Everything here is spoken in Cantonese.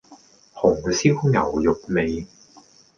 紅燒牛肉味